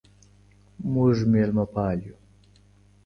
موږ ميلمه پال يو.